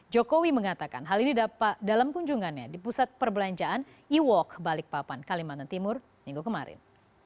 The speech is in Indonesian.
jokowi mengatakan hal ini dapat dalam kunjungannya di pusat perbelanjaan e walk balikpapan kalimantan timur minggu kemarin